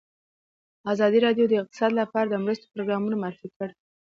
ازادي راډیو د اقتصاد لپاره د مرستو پروګرامونه معرفي کړي.